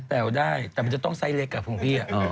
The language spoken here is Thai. แต่วได้แต่มันจะต้องใส่เล็กอ่ะพวกพี่